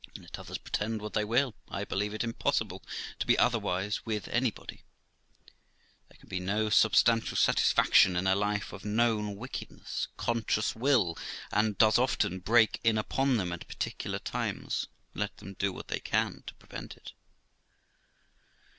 And, let others pretend what they will, I believe it impossible to be otherwise with anybody. There can be no substantial satisfaction in a life of known wickedness; conscience will, and does often, break in upon them at particular times, let them do what they can to prevent it.